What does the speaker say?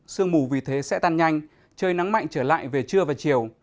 sương mù vì thế sẽ tan nhanh trời nắng mạnh trở lại về trưa và chiều